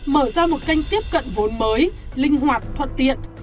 mở ra một kênh tiếp cận vốn mới linh hoạt thuận tiện